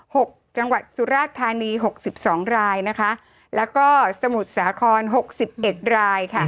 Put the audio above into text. หกจังหวัดสุราชธานีหกสิบสองรายนะคะแล้วก็สมุทรสาครหกสิบเอ็ดรายค่ะ